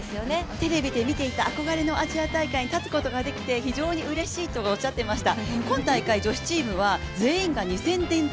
テレビで見ていた憧れのアジア大会に立つことができて非常にうれしいと語っていました。